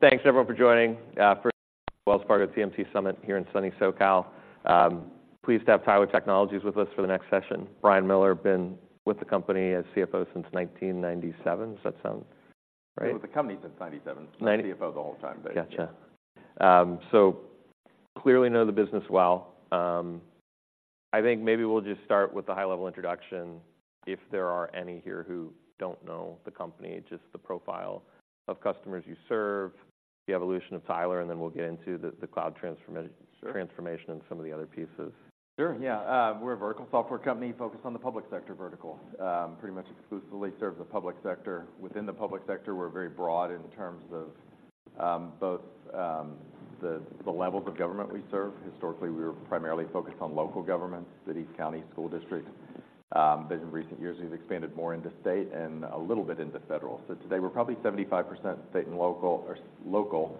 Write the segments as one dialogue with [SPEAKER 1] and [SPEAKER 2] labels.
[SPEAKER 1] Thanks everyone for joining for Wells Fargo TMT Summit here in sunny SoCal. Pleased to have Tyler Technologies with us for the next session. Brian Miller, been with the company as CFO since 1997. Does that sound right?
[SPEAKER 2] With the company since 1997.
[SPEAKER 1] 90
[SPEAKER 2] CFO the whole time, but yeah.
[SPEAKER 1] Gotcha. So clearly know the business well. I think maybe we'll just start with the high-level introduction. If there are any here who don't know the company, just the profile of customers you serve, the evolution of Tyler, and then we'll get into the, the cloud transformati-
[SPEAKER 2] Sure
[SPEAKER 1] Transformation and some of the other pieces.
[SPEAKER 2] Sure, yeah. We're a vertical software company focused on the public sector vertical. Pretty much exclusively serve the public sector. Within the public sector, we're very broad in terms of both the levels of government we serve. Historically, we were primarily focused on local governments, cities, county, school districts. But in recent years, we've expanded more into state and a little bit into federal. So today, we're probably 75% state and local, or local,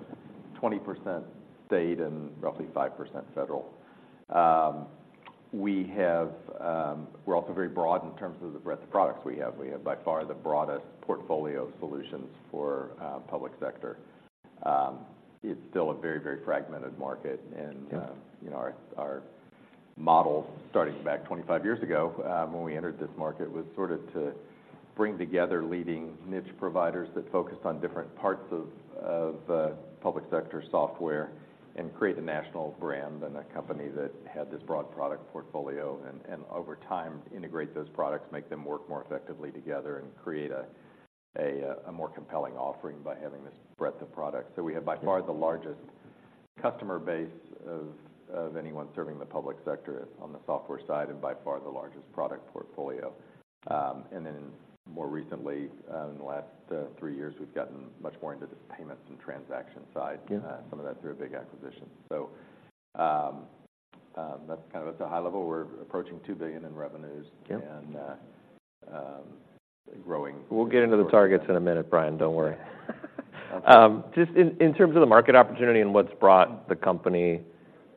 [SPEAKER 2] 20% state, and roughly 5% federal. We have... We're also very broad in terms of the breadth of products we have. We have, by far, the broadest portfolio of solutions for public sector. It's still a very, very fragmented market, and-
[SPEAKER 1] Yeah...
[SPEAKER 2] you know, our model, starting back 25 years ago, when we entered this market, was sort of to bring together leading niche providers that focused on different parts of public sector software and create a national brand and a company that had this broad product portfolio. And over time, integrate those products, make them work more effectively together, and create a more compelling offering by having this breadth of products. So we have, by far, the largest customer base of anyone serving the public sector on the software side, and by far, the largest product portfolio. And then more recently, in the last three years, we've gotten much more into this payments and transaction side.
[SPEAKER 1] Yeah.
[SPEAKER 2] Some of that through a big acquisition. So, that's kind of at the high level. We're approaching $2 billion in revenues-
[SPEAKER 1] Yeah...
[SPEAKER 2] and growing.
[SPEAKER 1] We'll get into the targets in a minute, Brian, don't worry.
[SPEAKER 2] Okay.
[SPEAKER 1] Just in terms of the market opportunity and what's brought the company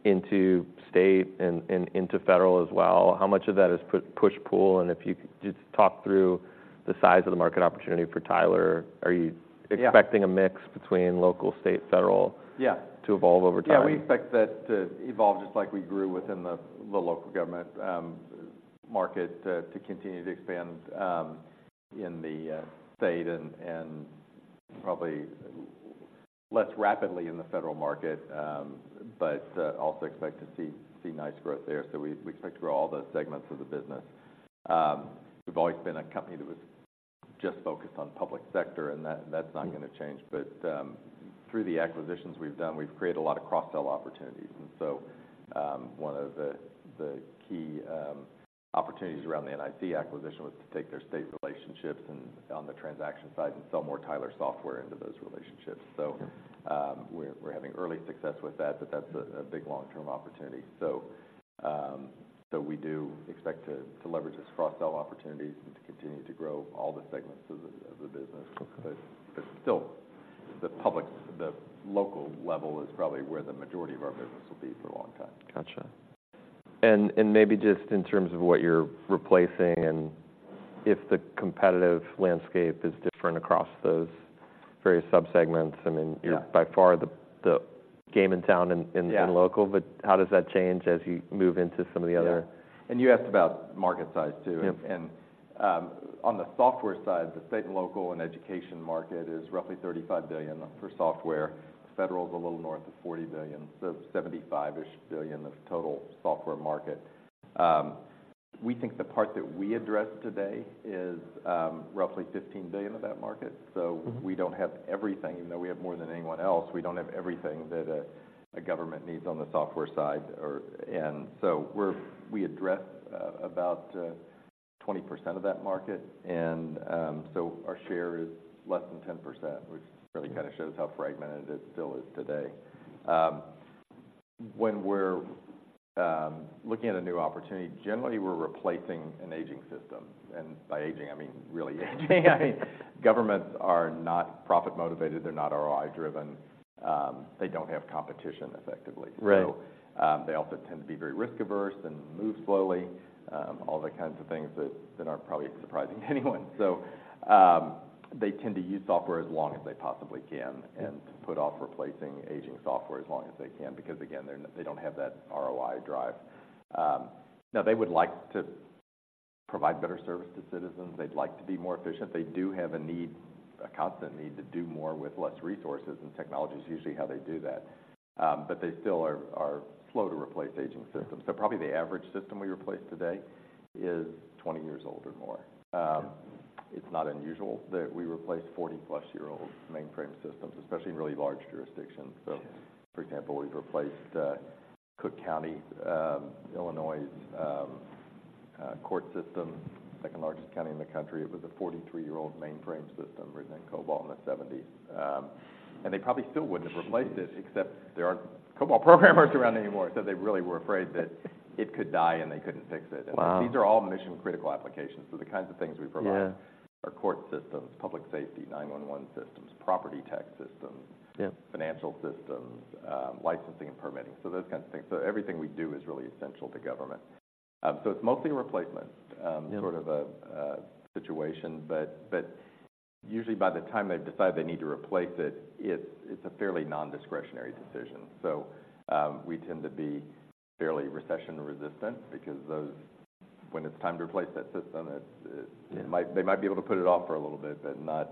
[SPEAKER 1] into state and into federal as well, how much of that is push/pull? And if you could just talk through the size of the market opportunity for Tyler. Are you-
[SPEAKER 2] Yeah...
[SPEAKER 1] expecting a mix between local, state, federal-
[SPEAKER 2] Yeah
[SPEAKER 1] to evolve over time?
[SPEAKER 2] Yeah, we expect that to evolve just like we grew within the local government market to continue to expand in the state and probably less rapidly in the federal market, but also expect to see nice growth there. So we expect to grow all the segments of the business. We've always been a company that was just focused on public sector, and that's not gonna change.
[SPEAKER 1] Mm-hmm.
[SPEAKER 2] But, through the acquisitions we've done, we've created a lot of cross-sell opportunities. And so, one of the key opportunities around the NIC acquisition was to take their state relationships and, on the transaction side, and sell more Tyler software into those relationships.
[SPEAKER 1] Okay.
[SPEAKER 2] So, we're having early success with that, but that's a big long-term opportunity. So, we do expect to leverage this cross-sell opportunities and to continue to grow all the segments of the business. But still, the public, the local level is probably where the majority of our business will be for a long time.
[SPEAKER 1] Gotcha. And, maybe just in terms of what you're replacing and if the competitive landscape is different across those various subsegments. I mean-
[SPEAKER 2] Yeah...
[SPEAKER 1] you're by far the game in town in, in-
[SPEAKER 2] Yeah
[SPEAKER 1] local, but how does that change as you move into some of the other-
[SPEAKER 2] Yeah. You asked about market size too.
[SPEAKER 1] Yep.
[SPEAKER 2] On the software side, the state and local and education market is roughly $35 billion for software. Federal is a little north of $40 billion, so $75-ish billion of total software market. We think the part that we address today is roughly $15 billion of that market.
[SPEAKER 1] Mm-hmm.
[SPEAKER 2] So we don't have everything. Even though we have more than anyone else, we don't have everything that a government needs on the software side or... And so we address about 20% of that market, and so our share is less than 10%, which really kinda shows how fragmented it still is today. When we're looking at a new opportunity, generally, we're replacing an aging system, and by aging, I mean really aging. I mean, governments are not profit-motivated. They're not ROI-driven. They don't have competition effectively.
[SPEAKER 1] Right.
[SPEAKER 2] They also tend to be very risk-averse and move slowly, all the kinds of things that aren't probably surprising to anyone. So, they tend to use software as long as they possibly can-
[SPEAKER 1] Yeah...
[SPEAKER 2] and put off replacing aging software as long as they can because, again, they're not- they don't have that ROI drive. Now, they would like to provide better service to citizens. They'd like to be more efficient. They do have a need, a constant need, to do more with less resources, and technology is usually how they do that. But they still are slow to replace aging systems. So probably the average system we replace today is 20 years old or more.
[SPEAKER 1] Yeah.
[SPEAKER 2] It's not unusual that we replace 40+ year-old mainframe systems, especially in really large jurisdictions.
[SPEAKER 1] Yeah.
[SPEAKER 2] So for example, we've replaced Cook County, Illinois court system, second-largest county in the country. It was a 43-year-old mainframe system written in COBOL in the 1970s. And they probably still would have replaced it-
[SPEAKER 1] Geez!...
[SPEAKER 2] except there aren't COBOL programmers around anymore. So they really were afraid that it could die, and they couldn't fix it.
[SPEAKER 1] Wow!
[SPEAKER 2] These are all mission-critical applications, so the kinds of things we provide-
[SPEAKER 1] Yeah ...
[SPEAKER 2] are court systems, public safety, 911 systems, property tax systems-
[SPEAKER 1] Yeah...
[SPEAKER 2] financial systems, licensing and permitting. So those kinds of things. So everything we do is really essential to government. So it's mostly a replacement,
[SPEAKER 1] Yeah
[SPEAKER 2] sort of a situation. But usually by the time they've decided they need to replace it, it's a fairly non-discretionary decision. So, we tend to be fairly recession resistant because those, when it's time to replace that system, it
[SPEAKER 1] Yeah
[SPEAKER 2] They might, they might be able to put it off for a little bit, but not,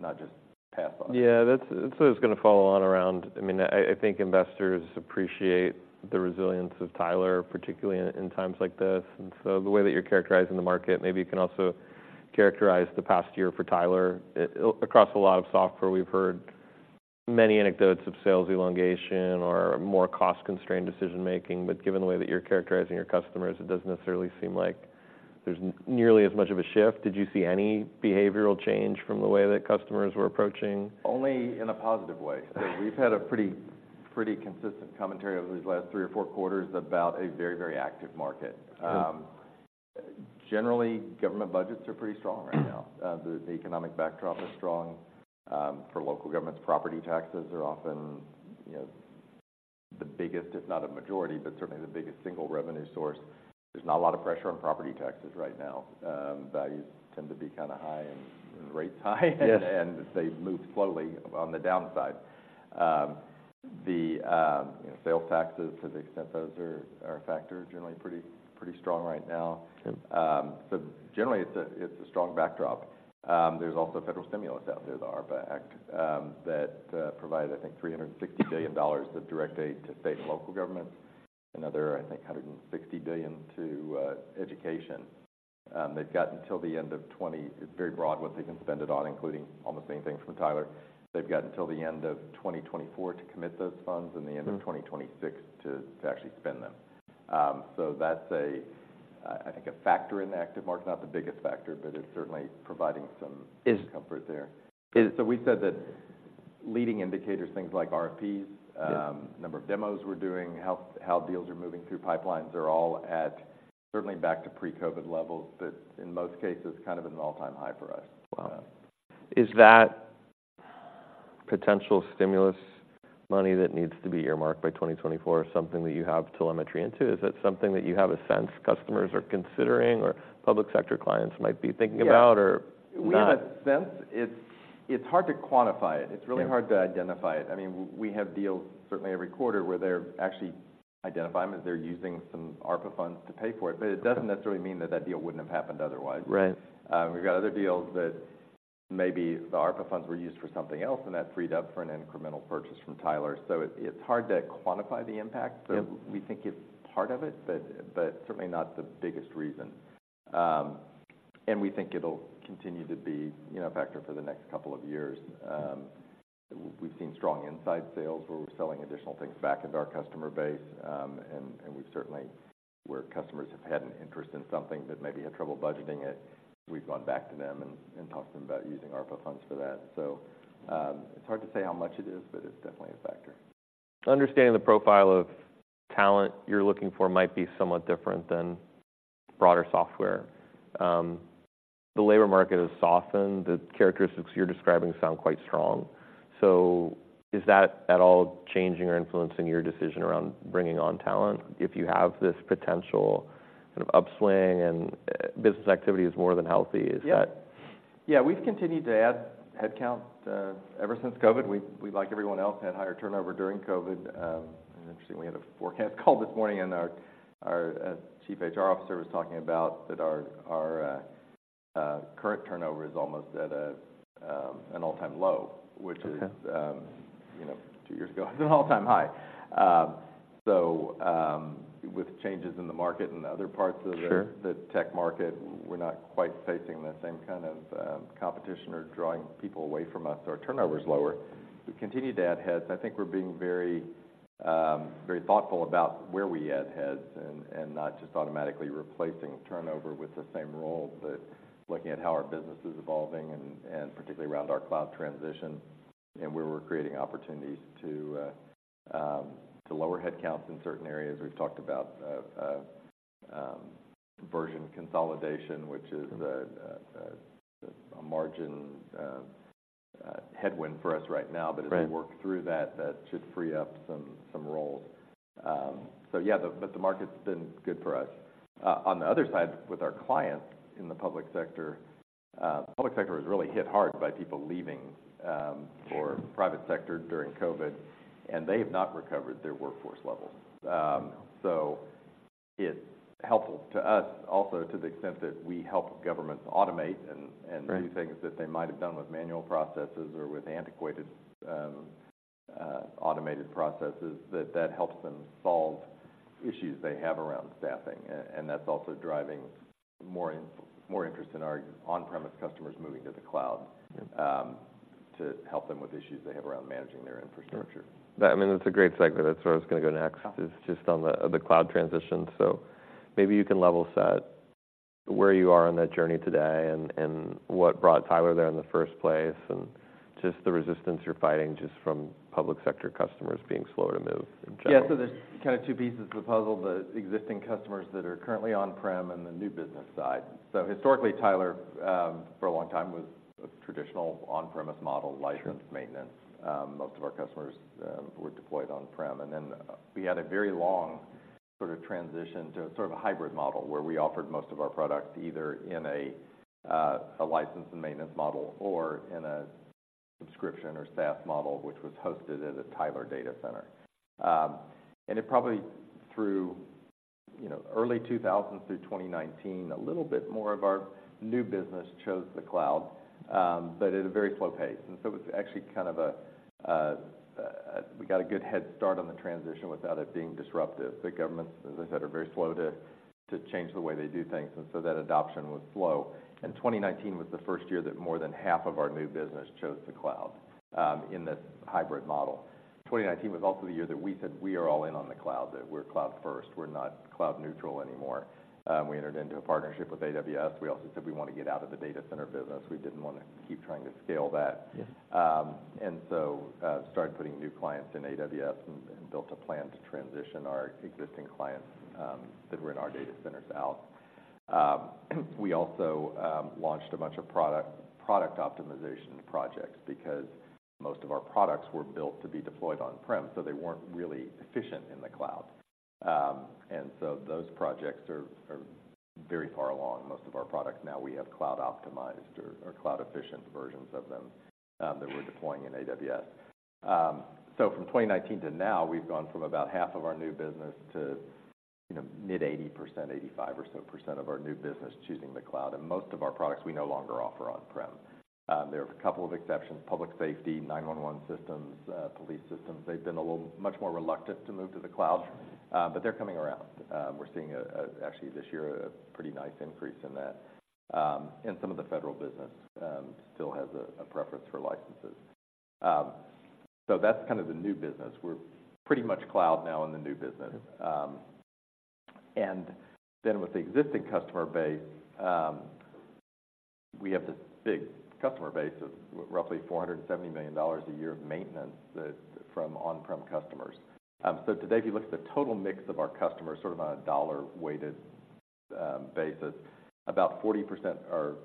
[SPEAKER 2] not just pass on it.
[SPEAKER 1] Yeah, that's... I mean, I think investors appreciate the resilience of Tyler, particularly in times like this. And so the way that you're characterizing the market, maybe you can also characterize the past year for Tyler. Across a lot of software, we've heard many anecdotes of sales elongation or more cost-constrained decision-making, but given the way that you're characterizing your customers, it doesn't necessarily seem like there's nearly as much of a shift. Did you see any behavioral change from the way that customers were approaching?
[SPEAKER 2] Only in a positive way. So we've had a pretty, pretty consistent commentary over these last three or four quarters about a very, very active market. Generally, government budgets are pretty strong right now.
[SPEAKER 1] Mm.
[SPEAKER 2] The economic backdrop is strong. For local governments, property taxes are often, you know, the biggest, if not a majority, but certainly the biggest single revenue source. There's not a lot of pressure on property taxes right now. Values tend to be kinda high and rates high.
[SPEAKER 1] Yes.
[SPEAKER 2] They move slowly on the downside. The sales taxes, to the extent those are a factor, are generally pretty strong right now.
[SPEAKER 1] Sure.
[SPEAKER 2] So generally, it's a strong backdrop. There's also federal stimulus out there, the ARPA Act, that provided, I think, $360 billion of direct aid to state and local governments. Another, I think, $160 billion to education. It's very broad, what they can spend it on, including almost anything from Tyler. They've got until the end of 2024 to commit those funds.
[SPEAKER 1] Mm
[SPEAKER 2] - and the end of 2026 to actually spend them. So that's a, I think, a factor in the active market, not the biggest factor, but it's certainly providing some-
[SPEAKER 1] Is-
[SPEAKER 2] comfort there.
[SPEAKER 1] Is-
[SPEAKER 2] We said that leading indicators, things like RFPs-
[SPEAKER 1] Yes...
[SPEAKER 2] number of demos we're doing, how deals are moving through pipelines, are all at certainly back to pre-COVID levels, but in most cases, kind of an all-time high for us.
[SPEAKER 1] Wow! Is that potential stimulus money that needs to be earmarked by 2024, something that you have telemetry into? Is that something that you have a sense customers are considering, or public sector clients might be thinking about or-
[SPEAKER 2] Yeah
[SPEAKER 1] - not?
[SPEAKER 2] We have a sense. It's hard to quantify it.
[SPEAKER 1] Yeah.
[SPEAKER 2] It's really hard to identify it. I mean, we have deals, certainly every quarter, where they're actually identifying that they're using some ARPA funds to pay for it, but it doesn't necessarily mean that that deal wouldn't have happened otherwise.
[SPEAKER 1] Right.
[SPEAKER 2] We've got other deals that maybe the ARPA funds were used for something else, and that freed up for an incremental purchase from Tyler. So it's hard to quantify the impact-
[SPEAKER 1] Yeah
[SPEAKER 2] but we think it's part of it, but certainly not the biggest reason. And we think it'll continue to be, you know, a factor for the next couple of years. We've seen strong inside sales, where we're selling additional things back into our customer base. And we've certainly, where customers have had an interest in something but maybe had trouble budgeting it, we've gone back to them and talked to them about using ARPA funds for that. So, it's hard to say how much it is, but it's definitely a factor.
[SPEAKER 1] Understanding the profile of talent you're looking for might be somewhat different than broader software. The labor market has softened. The characteristics you're describing sound quite strong. So is that at all changing or influencing your decision around bringing on talent, if you have this potential sort of upswing and business activity is more than healthy?
[SPEAKER 2] Yeah.
[SPEAKER 1] Is that-
[SPEAKER 2] Yeah, we've continued to add headcount ever since COVID. We, like everyone else, had higher turnover during COVID. And interestingly, we had a forecast call this morning, and our Chief HR Officer was talking about that our current turnover is almost at an all-time low, which is-
[SPEAKER 1] Okay...
[SPEAKER 2] you know, two years ago, it was an all-time high. So, with changes in the market and other parts of the-
[SPEAKER 1] Sure...
[SPEAKER 2] the tech market, we're not quite facing the same kind of competition or drawing people away from us. Our turnover is lower. We've continued to add heads, and I think we're being very very thoughtful about where we add heads and, and not just automatically replacing turnover with the same role, but looking at how our business is evolving and, and particularly around our cloud transition and where we're creating opportunities to to lower headcounts in certain areas. We've talked about version consolidation, which is-
[SPEAKER 1] Okay...
[SPEAKER 2] a margin headwind for us right now.
[SPEAKER 1] Right.
[SPEAKER 2] But as we work through that, that should free up some, some roles. So yeah, but the market's been good for us. On the other side, with our clients in the public sector, public sector was really hit hard by people leaving, for-
[SPEAKER 1] Mm...
[SPEAKER 2] private sector during COVID, and they have not recovered their workforce level. So it's helpful to us also to the extent that we help governments automate and, and-
[SPEAKER 1] Right...
[SPEAKER 2] do things that they might have done with manual processes or with antiquated automated processes, that helps them solve issues they have around staffing. And that's also driving more interest in our on-premise customers moving to the cloud-
[SPEAKER 1] Yep...
[SPEAKER 2] to help them with issues they have around managing their infrastructure.
[SPEAKER 1] That, I mean, that's a great segment. That's where I was gonna go next-
[SPEAKER 2] Okay...
[SPEAKER 1] is just on the cloud transition. So maybe you can level set where you are on that journey today and what brought Tyler there in the first place, and just the resistance you're fighting, just from public sector customers being slower to move in general.
[SPEAKER 2] Yeah. So there's kind of two pieces of the puzzle, the existing customers that are currently on-prem and the new business side. So historically, Tyler, for a long time, was a traditional on-premise model, license, maintenance.
[SPEAKER 1] Sure.
[SPEAKER 2] Most of our customers were deployed on-prem, and then we had a very long sort of transition to sort of a hybrid model, where we offered most of our products either in a license and maintenance model or in a subscription or SaaS model, which was hosted at a Tyler data center. And it probably through, you know, early 2000s through 2019, a little bit more of our new business chose the cloud, but at a very slow pace. And so it was actually kind of a we got a good head start on the transition without it being disruptive. The governments, as I said, are very slow to change the way they do things, and so that adoption was slow. 2019 was the first year that more than half of our new business chose the cloud in this hybrid model. 2019 was also the year that we said we are all in on the cloud, that we're cloud first, we're not cloud neutral anymore. We entered into a partnership with AWS. We also said we want to get out of the data center business. We didn't want to keep trying to scale that.
[SPEAKER 1] Yes.
[SPEAKER 2] We started putting new clients in AWS and built a plan to transition our existing clients that were in our data centers out. We also launched a bunch of product optimization projects, because most of our products were built to be deployed on-prem, so they weren't really efficient in the cloud. And so those projects are very far along. Most of our products now we have cloud-optimized or cloud-efficient versions of them that we're deploying in AWS. So from 2019 to now, we've gone from about half of our new business to, you know, mid-80%, 85% or so percent of our new business choosing the cloud, and most of our products we no longer offer on-prem. There are a couple of exceptions. Public safety, 911 systems, police systems, they've been a little much more reluctant to move to the cloud, but they're coming around. We're seeing actually, this year, a pretty nice increase in that. And some of the federal business still has a preference for licenses. So that's kind of the new business. We're pretty much cloud now in the new business. And then with the existing customer base, we have this big customer base of roughly $470 million a year of maintenance from on-prem customers. So today, if you look at the total mix of our customers, sort of on a dollar-weighted basis, about 40% are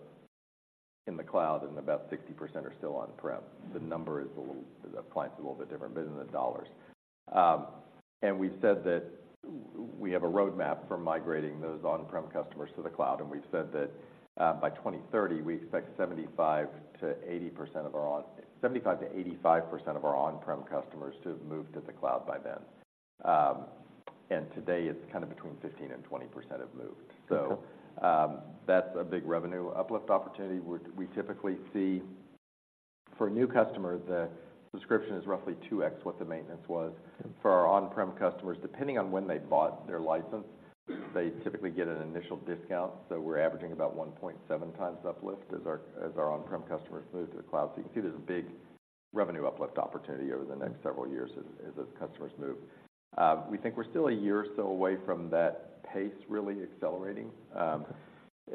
[SPEAKER 2] in the cloud, and about 60% are still on-prem. The number is a little the clients a little bit different, but in the dollars. And we've said that we have a roadmap for migrating those on-prem customers to the cloud, and we've said that, by 2030, we expect 75%-80% of our on- 75%-85% of our on-prem customers to move to the cloud by then. And today, it's kind of between 15% and 20% have moved.
[SPEAKER 1] Okay.
[SPEAKER 2] That's a big revenue uplift opportunity, which we typically see for a new customer. The subscription is roughly 2x what the maintenance was.
[SPEAKER 1] Okay.
[SPEAKER 2] For our on-prem customers, depending on when they bought their license, they typically get an initial discount, so we're averaging about 1.7x uplift as our on-prem customers move to the cloud. So you can see there's a big revenue uplift opportunity over the next several years as those customers move. We think we're still a year or so away from that pace really accelerating.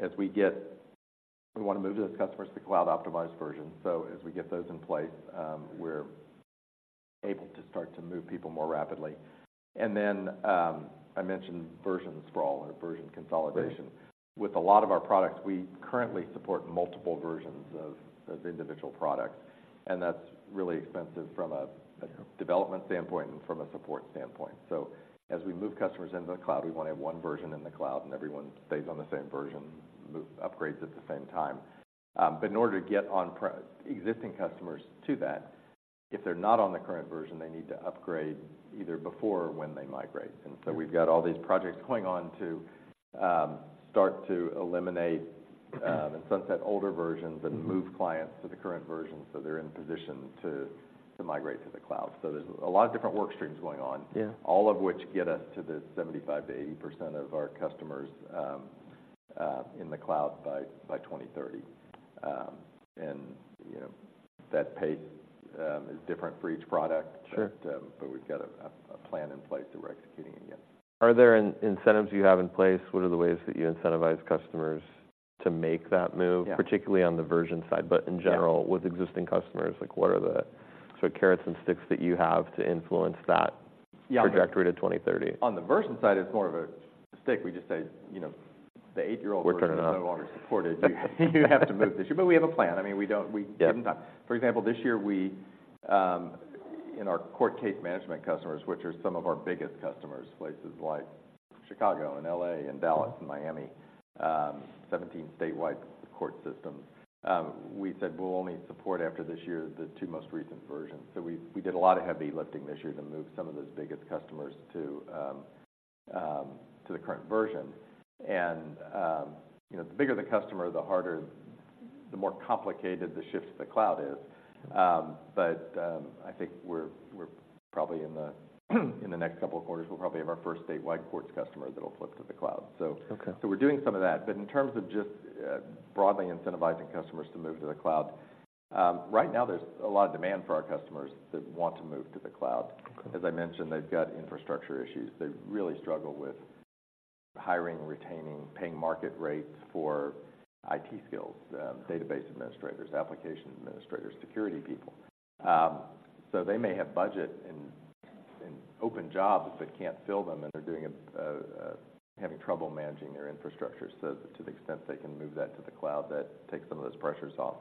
[SPEAKER 2] As we get... We wanna move those customers to cloud-optimized version, so as we get those in place, we're able to start to move people more rapidly. And then, I mentioned version sprawl or version consolidation.
[SPEAKER 1] Right.
[SPEAKER 2] With a lot of our products, we currently support multiple versions of individual products, and that's really expensive from a development standpoint and from a support standpoint. So as we move customers into the cloud, we wanna have one version in the cloud, and everyone stays on the same version, move upgrades at the same time. But in order to get on-premise existing customers to that, if they're not on the current version, they need to upgrade either before or when they migrate.
[SPEAKER 1] Yeah.
[SPEAKER 2] And so we've got all these projects going on to start to eliminate and sunset older versions-
[SPEAKER 1] Mm-hmm.
[SPEAKER 2] and move clients to the current version, so they're in position to migrate to the cloud. So there's a lot of different work streams going on.
[SPEAKER 1] Yeah...
[SPEAKER 2] all of which get us to the 75%-80% of our customers in the cloud by 2030. You know, that pace is different for each product.
[SPEAKER 1] Sure.
[SPEAKER 2] But we've got a plan in place that we're executing against.
[SPEAKER 1] Are there incentives you have in place? What are the ways that you incentivize customers to make that move-
[SPEAKER 2] Yeah...
[SPEAKER 1] particularly on the version side?
[SPEAKER 2] Yeah.
[SPEAKER 1] But in general, with existing customers, like, what are the sort of carrots and sticks that you have to influence that-
[SPEAKER 2] Yeah
[SPEAKER 1] trajectory to 2030?
[SPEAKER 2] On the version side, it's more of a stick. We just say, you know, "The eight-year-old version-
[SPEAKER 1] We're turning it off.
[SPEAKER 2] is no longer supported." "You have to move this." But we have a plan. I mean, we don't-
[SPEAKER 1] Yeah.
[SPEAKER 2] We give them time. For example, this year, we in our court case management customers, which are some of our biggest customers, places like Chicago and L.A. and Dallas and Miami, 17 statewide court systems, we said we'll only support after this year, the two most recent versions. So we did a lot of heavy lifting this year to move some of those biggest customers to the current version. And you know, the bigger the customer, the harder, the more complicated the shift to the cloud is. But I think we're probably in the next couple of quarters, we'll probably have our first statewide courts customer that'll flip to the cloud. So-
[SPEAKER 1] Okay.
[SPEAKER 2] So we're doing some of that. But in terms of just, broadly incentivizing customers to move to the cloud, right now, there's a lot of demand for our customers that want to move to the cloud.
[SPEAKER 1] Okay.
[SPEAKER 2] As I mentioned, they've got infrastructure issues. They really struggle with hiring, retaining, paying market rates for IT skills, database administrators, application administrators, security people. So they may have budget and open jobs, but can't fill them, and they're having trouble managing their infrastructure. So to the extent they can move that to the cloud, that takes some of those pressures off.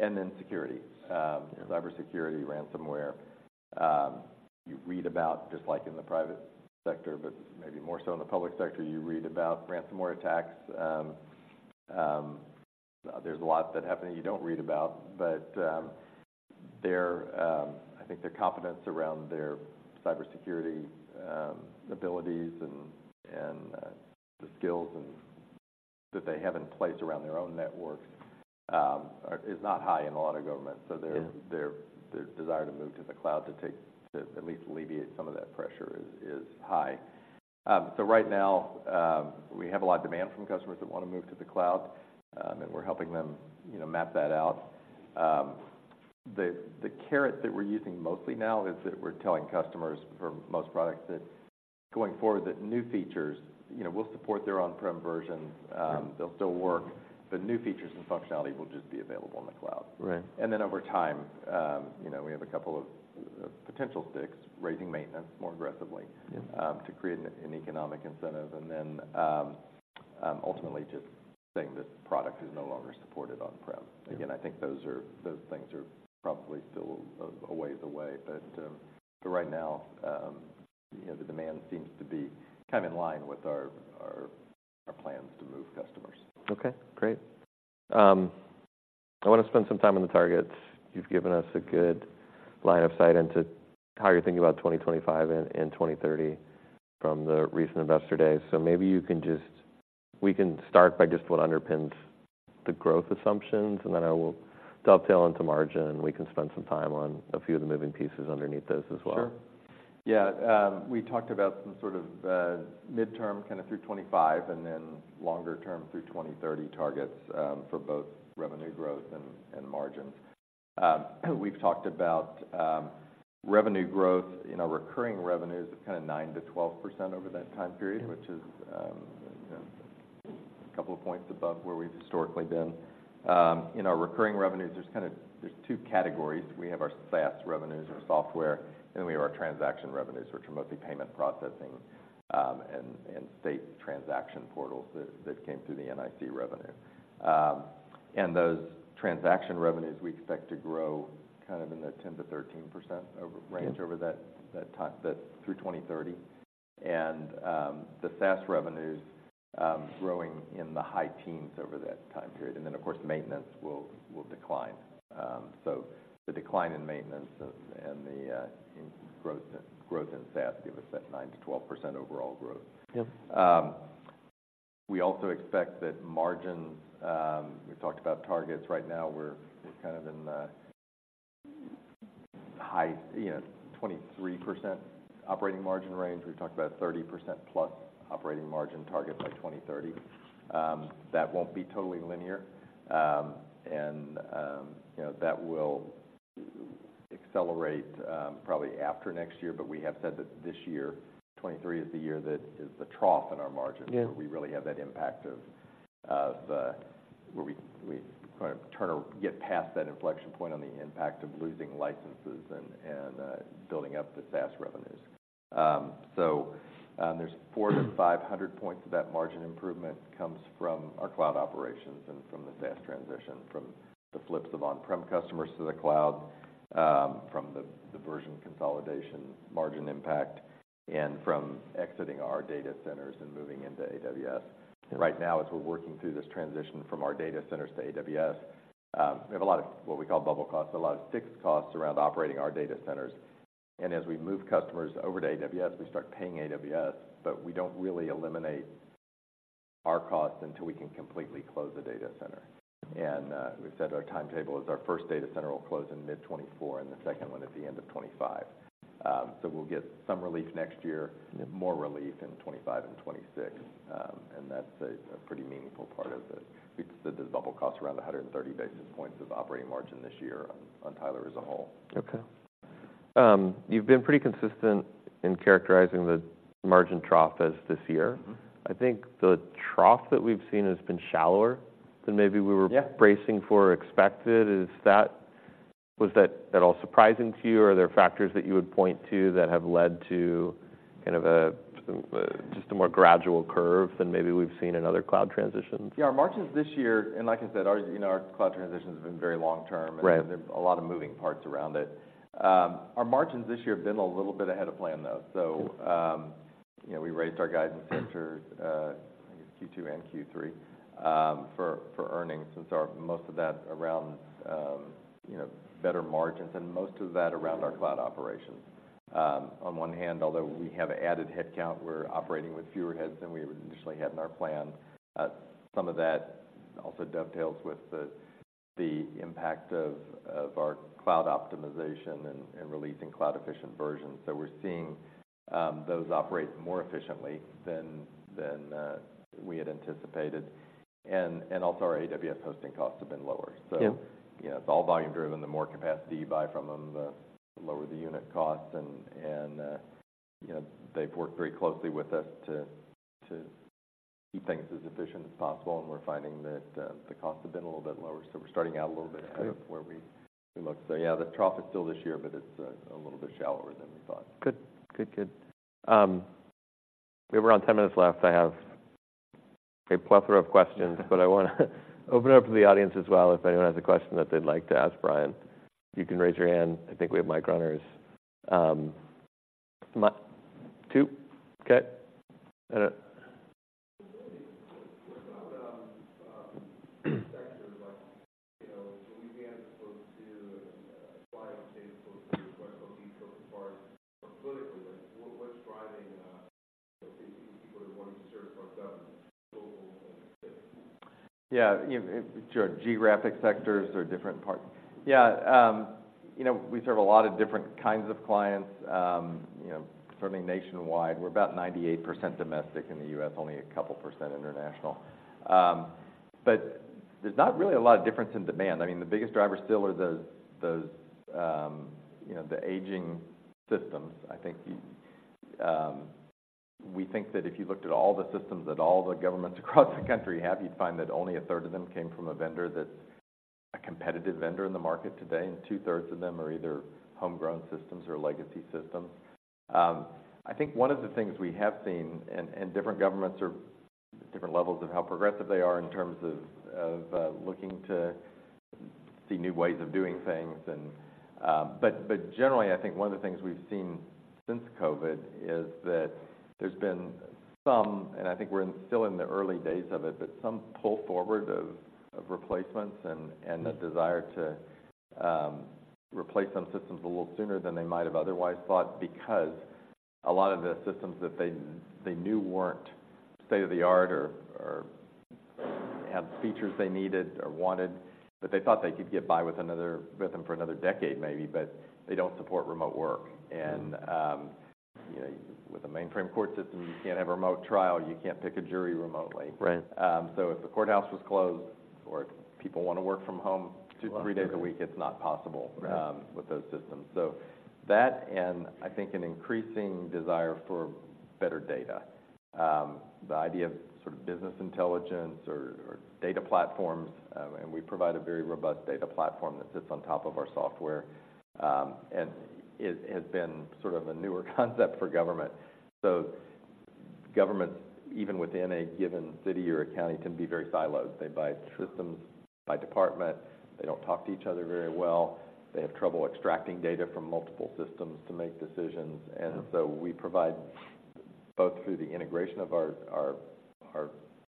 [SPEAKER 2] And then security, cybersecurity, ransomware. You read about, just like in the private sector, but maybe more so in the public sector, you read about ransomware attacks. There's a lot that happen that you don't read about, but their... I think their confidence around their cybersecurity abilities and the skills and that they have in place around their own networks are not high in a lot of governments.
[SPEAKER 1] Yeah.
[SPEAKER 2] So their desire to move to the cloud to at least alleviate some of that pressure is high. So right now, we have a lot of demand from customers that wanna move to the cloud, and we're helping them, you know, map that out. The carrot that we're using mostly now is that we're telling customers, for most products, that going forward, that new features, you know, we'll support their on-prem versions.
[SPEAKER 1] Yeah.
[SPEAKER 2] They'll still work, but new features and functionality will just be available on the cloud.
[SPEAKER 1] Right.
[SPEAKER 2] And then over time, you know, we have a couple of potential sticks, raising maintenance more aggressively-
[SPEAKER 1] Yeah...
[SPEAKER 2] to create an economic incentive, and then ultimately just saying this product is no longer supported on-prem.
[SPEAKER 1] Yeah.
[SPEAKER 2] Again, I think those things are probably still a ways away. But right now, you know, the demand seems to be kind of in line with our plans to move customers.
[SPEAKER 1] Okay, great. I wanna spend some time on the targets. You've given us a good line of sight into how you're thinking about 2025 and 2030 from the recent Investor Day. So maybe you can just, we can start by just what underpins the growth assumptions, and then I will dovetail into margin, and we can spend some time on a few of the moving pieces underneath those as well.
[SPEAKER 2] Sure. Yeah, we talked about some sort of midterm, kinda through 2025, and then longer term through 2030 targets, for both revenue growth and margin. We've talked about revenue growth. In our recurring revenues, kind of 9%-12% over that time period-
[SPEAKER 1] Mm-hmm...
[SPEAKER 2] which is, you know, a couple of points above where we've historically been. In our recurring revenues, there's kind of two categories. We have our SaaS revenues, or software, and then we have our transaction revenues, which are mostly payment processing, and state transaction portals that came through the NIC revenue. And those transaction revenues, we expect to grow kind of in the 10%-13% over-
[SPEAKER 1] Yeah...
[SPEAKER 2] range over that time... through 2030. And the SaaS revenues growing in the high teens over that time period. And then, of course, maintenance will decline. So the decline in maintenance and the growth in SaaS give us that 9%-12% overall growth.
[SPEAKER 1] Yep.
[SPEAKER 2] We also expect that margin. We talked about targets. Right now, we're kind of in the high, you know, 23% operating margin range. We've talked about 30%+ operating margin target by 2030. That won't be totally linear. And you know, that will accelerate, probably after next year. But we have said that this year 2023, is the year that is the trough in our margins-
[SPEAKER 1] Yeah...
[SPEAKER 2] where we really have that impact of where we kind of turn or get past that inflection point on the impact of losing licenses and building up the SaaS revenues. So, there's 400-500 points of that margin improvement comes from our cloud operations and from the SaaS transition, from the flips of on-prem customers to the cloud, from the version consolidation margin impact, and from exiting our data centers and moving into AWS.
[SPEAKER 1] Yeah.
[SPEAKER 2] Right now, as we're working through this transition from our data centers to AWS, we have a lot of, what we call bubble costs, a lot of fixed costs around operating our data centers. And as we move customers over to AWS, we start paying AWS, but we don't really eliminate our costs until we can completely close the data center. And we've said our timetable is, our first data center will close in mid-2024, and the second one at the end of 2025. So we'll get some relief next year, more relief in 2025 and 2026, and that's a pretty meaningful part of the-
[SPEAKER 1] Sure...
[SPEAKER 2] We said the bubble costs around 130 basis points of operating margin this year on, on Tyler as a whole.
[SPEAKER 1] Okay. You've been pretty consistent in characterizing the margin trough as this year.
[SPEAKER 2] Mm-hmm.
[SPEAKER 1] I think the trough that we've seen has been shallower than maybe we were-
[SPEAKER 2] Yeah
[SPEAKER 1] ...bracing for or expected. Was that at all surprising to you, or are there factors that you would point to that have led to kind of a, just a more gradual curve than maybe we've seen in other cloud transitions?
[SPEAKER 2] Yeah, our margins this year, and like I said, our, you know, our cloud transition has been very long term-
[SPEAKER 1] Right...
[SPEAKER 2] and there's a lot of moving parts around it. Our margins this year have been a little bit ahead of plan, though.
[SPEAKER 1] Good.
[SPEAKER 2] So, you know, we raised our guidance after, I think Q2 and Q3, for earnings, since most of that around, you know, better margins, and most of that around our cloud operations. On one hand, although we have added headcount, we're operating with fewer heads than we initially had in our plan. Some of that also dovetails with the impact of our cloud optimization and releasing cloud-efficient versions. So we're seeing those operate more efficiently than we had anticipated. And also, our AWS hosting costs have been lower.
[SPEAKER 1] Yeah.
[SPEAKER 2] So you know, it's all volume-driven. The more capacity you buy from them, the lower the unit cost. And you know, they've worked very closely with us to keep things as efficient as possible, and we're finding that the costs have been a little bit lower. So we're starting out a little bit ahead-
[SPEAKER 1] Good...
[SPEAKER 2] of where we looked. So yeah, the trough is still this year, but it's a little bit shallower than we thought.
[SPEAKER 1] Good. Good, good. We have around 10 minutes left. I have a plethora of questions, but I want to open it up to the audience as well, if anyone has a question that they'd like to ask Brian. You can raise your hand. I think we have mic runners. Mic two? Okay.
[SPEAKER 3] What about sectors like, you know, Louisiana, folks to clients, say, folks, like, from the East Coast as far as politically, like, what's driving these people to want to serve our government, local and state?
[SPEAKER 2] Yeah, sure, geographic sectors or different parts. Yeah, you know, we serve a lot of different kinds of clients, you know, serving nationwide. We're about 98% domestic in the U.S., only a couple percent international. But there's not really a lot of difference in demand. I mean, the biggest drivers still are those, you know, the aging systems. I think we think that if you looked at all the systems that all the governments across the country have, you'd find that only a third of them came from a vendor that's a competitive vendor in the market today, and two-thirds of them are either homegrown systems or legacy systems. I think one of the things we have seen, and different governments are different levels of how progressive they are in terms of looking to see new ways of doing things and. But generally, I think one of the things we've seen since COVID is that there's been some, and I think we're still in the early days of it, but some pull forward of replacements and a desire to replace some systems a little sooner than they might have otherwise thought, because a lot of the systems that they knew weren't state-of-the-art or have features they needed or wanted, but they thought they could get by with them for another decade, maybe, but they don't support remote work.
[SPEAKER 1] Mm-hmm.
[SPEAKER 2] You know, with a mainframe court system, you can't have a remote trial, you can't pick a jury remotely.
[SPEAKER 1] Right.
[SPEAKER 2] So, if the courthouse was closed or if people wanna work from home two, three days a week, it's not possible-
[SPEAKER 1] Right...
[SPEAKER 2] with those systems. So that, and I think, an increasing desire for better data. The idea of sort of business intelligence or, or data platforms, and we provide a very robust data platform that sits on top of our software. And it has been sort of a newer concept for government. So government, even within a given city or a county, can be very siloed. They buy systems by department, they don't talk to each other very well, they have trouble extracting data from multiple systems to make decisions.
[SPEAKER 1] Mm-hmm.
[SPEAKER 2] And so we provide, both through the integration of our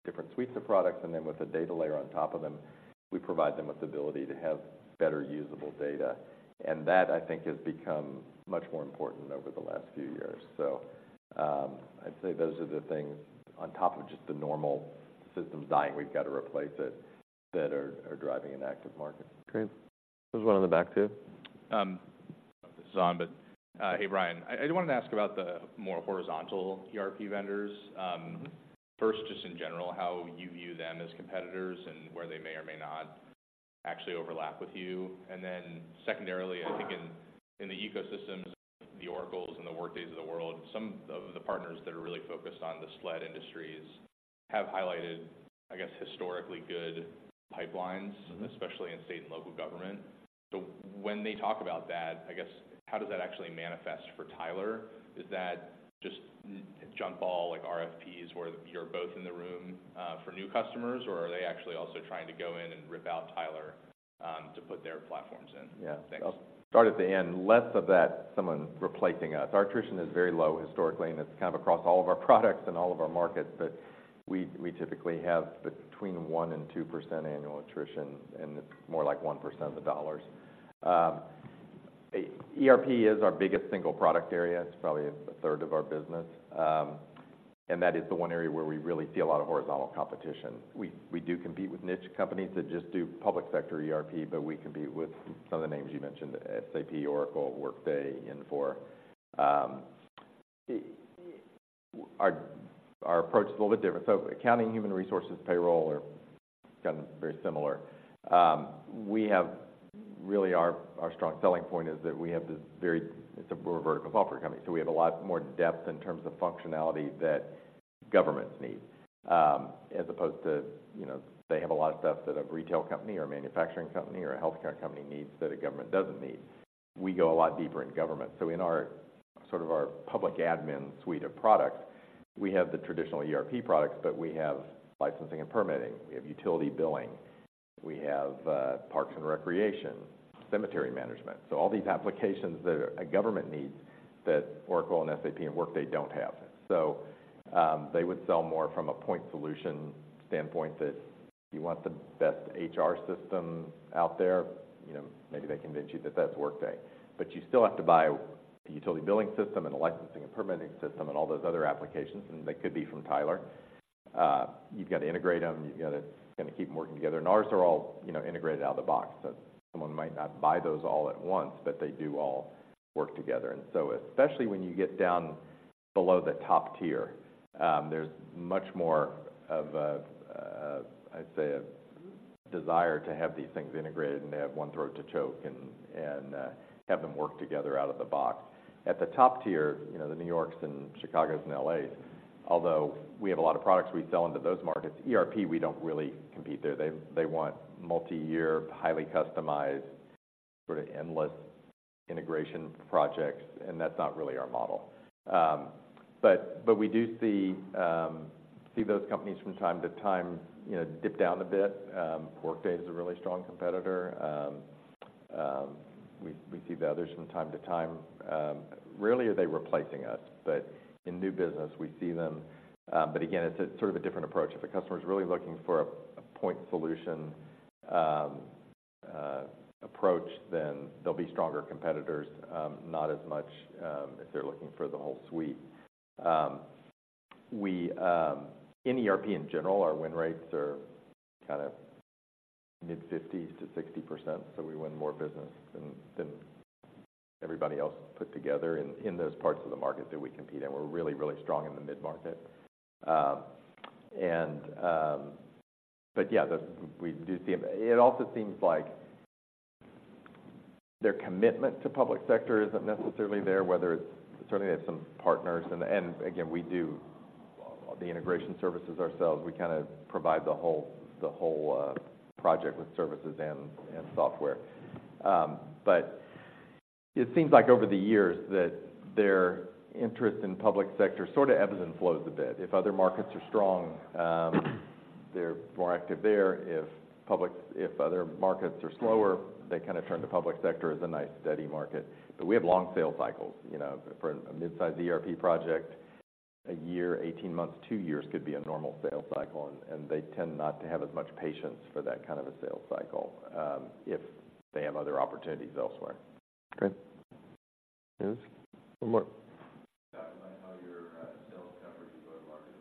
[SPEAKER 2] different suites of products and then with a data layer on top of them, we provide them with the ability to have better usable data, and that, I think, has become much more important over the last few years. I'd say those are the things on top of just the normal systems dying, we've got to replace it, that are driving an active market.
[SPEAKER 1] Great. There's one in the back, too.
[SPEAKER 4] Hey, Brian, I wanted to ask about the more horizontal ERP vendors.
[SPEAKER 2] Mm-hmm.
[SPEAKER 4] First, just in general, how you view them as competitors and where they may or may not actually overlap with you? And then secondarily, I think in the ecosystems, the Oracle's and the Workday's of the world, some of the partners that are really focused on the SLED industries have highlighted, I guess, historically good pipelines-
[SPEAKER 2] Mm-hmm...
[SPEAKER 4] especially in state and local government. So when they talk about that, I guess, how does that actually manifest for Tyler? Is that just a junk ball, like RFPs, where you're both in the room for new customers, or are they actually also trying to go in and rip out Tyler to put their platforms in?
[SPEAKER 2] Yeah.
[SPEAKER 4] Thanks.
[SPEAKER 2] I'll start at the end. Less of that, someone replacing us. Our attrition is very low historically, and it's kind of across all of our products and all of our markets, but we typically have between 1%-2% annual attrition, and it's more like 1% of the dollars. ERP is our biggest single product area. It's probably a third of our business. And that is the one area where we really see a lot of horizontal competition. We do compete with niche companies that just do public sector ERP, but we compete with some of the names you mentioned, SAP, Oracle, Workday, Infor. Our approach is a little bit different. So accounting, human resources, payroll are kind of very similar. We have... Really, our strong selling point is that we have this—it's a vertical software company, so we have a lot more depth in terms of functionality that governments need, as opposed to, you know, they have a lot of stuff that a retail company or manufacturing company or a healthcare company needs that a government doesn't need. We go a lot deeper in government. So in our, sort of our public admin suite of products, we have the traditional ERP products, but we have licensing and permitting, we have utility billing, we have parks and recreation, cemetery management. So all these applications that a government needs that Oracle and SAP and Workday don't have. So they would sell more from a point solution standpoint that you want the best HR system out there, you know, maybe they convince you that that's Workday. But you still have to buy a utility billing system and a licensing and permitting system and all those other applications, and they could be from Tyler. You've got to integrate them, you've got to kind of keep them working together. And ours are all, you know, integrated out of the box. So someone might not buy those all at once, but they do all work together. And so especially when you get down below the top tier, there's much more of a, I'd say, a desire to have these things integrated, and they have one throat to choke and have them work together out of the box. At the top tier, you know, the New Yorks and Chicagos and L.A.s, although we have a lot of products we sell into those markets, ERP, we don't really compete there. They, they want multi-year, highly customized-... Sort of endless integration projects, and that's not really our model. But we do see those companies from time to time, you know, dip down a bit. Workday is a really strong competitor. We see the others from time to time. Rarely are they replacing us, but in new business we see them. But again, it's a sort of a different approach. If a customer is really looking for a point solution approach, then they'll be stronger competitors, not as much if they're looking for the whole suite. We in ERP in general, our win rates are kind of mid-50s to 60%, so we win more business than everybody else put together in those parts of the market that we compete in. We're really, really strong in the mid-market. But yeah, we do see them. It also seems like their commitment to public sector isn't necessarily there, whether it's. Certainly, they have some partners and, and again, we do the integration services ourselves. We kinda provide the whole, the whole, project with services and, and software. But it seems like over the years that their interest in public sector sorta ebbs and flows a bit. If other markets are strong, they're more active there. If other markets are slower, they kinda turn to public sector as a nice, steady market. But we have long sales cycles, you know, for a mid-sized ERP project, a year, 18 months, two years could be a normal sales cycle, and, and they tend not to have as much patience for that kind of a sales cycle, if they have other opportunities elsewhere.
[SPEAKER 1] Okay. Yes, one more.
[SPEAKER 5] Talk about how your sales coverage and go-to-market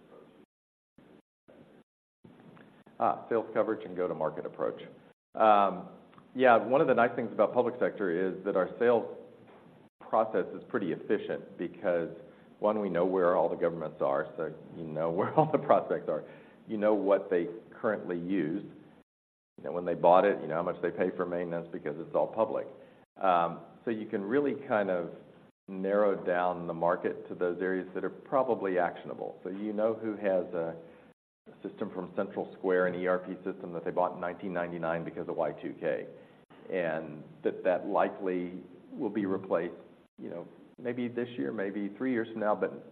[SPEAKER 5] approach is?
[SPEAKER 2] Ah, sales coverage and go-to-market approach. Yeah, one of the nice things about public sector is that our sales process is pretty efficient, because, one, we know where all the governments are, so you know where all the prospects are. You know what they currently use, you know, when they bought it, you know how much they pay for maintenance because it's all public. So you can really kind of narrow down the market to those areas that are probably actionable. So you know who has a system from CentralSquare, an ERP system that they bought in 1999 because of Y2K, and that that likely will be replaced, you know, maybe this year, maybe three years from now, but,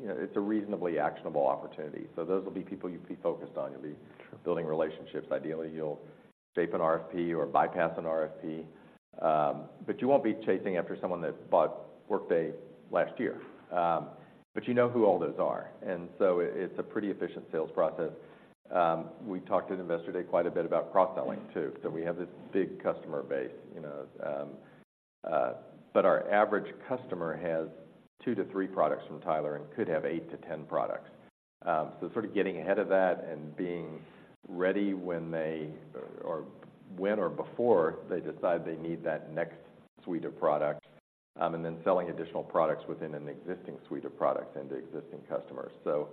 [SPEAKER 2] you know, it's a reasonably actionable opportunity. So those will be people you'd be focused on. You'll be building relationships. Ideally, you'll shape an RFP or bypass an RFP, but you won't be chasing after someone that bought Workday last year. But you know who all those are, and so it's a pretty efficient sales process. We talked at Investor Day quite a bit about cross-selling, too. So we have this big customer base, you know, but our average customer has two to three products from Tyler and could have eight to 10 products. So sort of getting ahead of that and being ready when they, or when or before they decide they need that next suite of products, and then selling additional products within an existing suite of products and to existing customers. So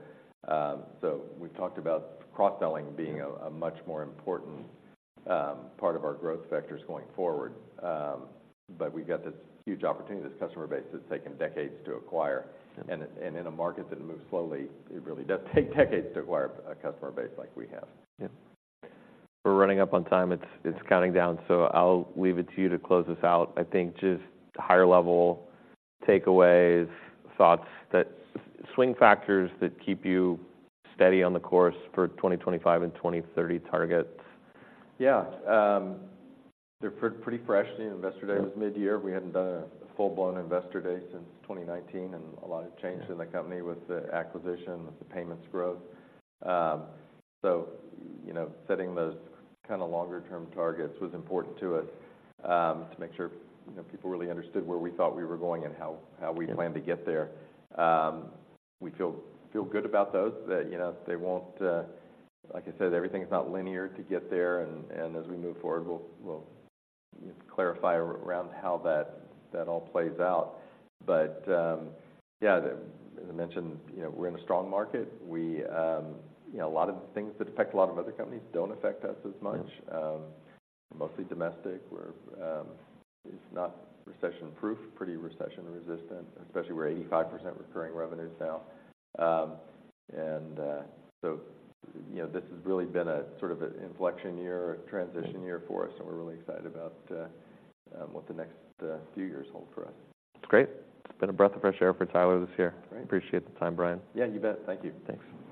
[SPEAKER 2] we've talked about cross-selling being a much more important part of our growth vectors going forward. We've got this huge opportunity, this customer base that's taken decades to acquire.
[SPEAKER 1] Yeah.
[SPEAKER 2] In a market that moves slowly, it really does take decades to acquire a customer base like we have.
[SPEAKER 1] Yeah. We're running up on time. It's counting down, so I'll leave it to you to close us out. I think just higher level takeaways, thoughts that... Swing factors that keep you steady on the course for 2025 and 2030 targets.
[SPEAKER 2] Yeah. They're pretty fresh. The Investor Day was mid-year.
[SPEAKER 1] Yeah.
[SPEAKER 2] We hadn't done a full-blown Investor Day since 2019, and a lot has changed.
[SPEAKER 1] Yeah
[SPEAKER 2] - in the company with the acquisition, with the payments growth. So, you know, setting those kinda longer term targets was important to us, to make sure, you know, people really understood where we thought we were going and how we-
[SPEAKER 1] Yeah
[SPEAKER 2] Planned to get there. We feel good about those. That, you know, they won't... Like I said, everything is not linear to get there, and as we move forward, we'll clarify around how that all plays out. But, yeah, as I mentioned, you know, we're in a strong market. We, you know, a lot of the things that affect a lot of other companies don't affect us as much.
[SPEAKER 1] Yeah.
[SPEAKER 2] Mostly domestic, we're, it's not recession-proof, pretty recession-resistant, especially we're 85% recurring revenues now. So, you know, this has really been a sort of an inflection year, a transition year-
[SPEAKER 1] Yeah
[SPEAKER 2] - for us, and we're really excited about what the next few years hold for us.
[SPEAKER 1] That's great. It's been a breath of fresh air for Tyler this year.
[SPEAKER 2] Great.
[SPEAKER 1] Appreciate the time, Brian.
[SPEAKER 2] Yeah, you bet. Thank you.
[SPEAKER 1] Thanks.